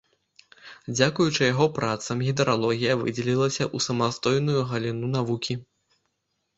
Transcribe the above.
Дзякуючы яго працам гідралогія выдзелілася ў самастойную галіну навукі.